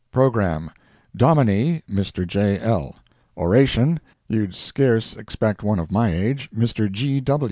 Programme: Dominie, Mr. J. L. Oration—You'd Scarce expect one of my age ... Mr.